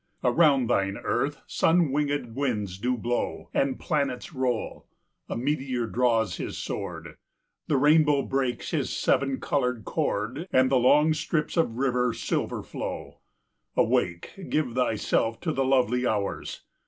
Around thine earth sun winged winds do blow And planets roll; a meteor draws his sword; The rainbow breaks his seven coloured chord And the long strips of river silver flow: Awake! Give thyself to the lovely hours.